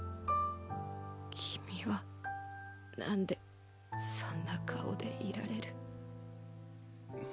君はなんでそんな顔でいられる。